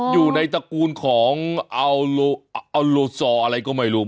อยู่ในตระกูลของอัลโลซออะไรก็ไม่รู้